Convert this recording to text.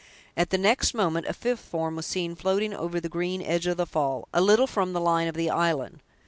At the next moment, a fifth form was seen floating over the green edge of the fall, a little from the line of the island.